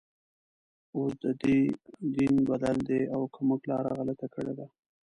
اوس ددوی دین بدل دی او که موږ لاره غلطه کړې ده.